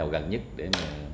gần nhất để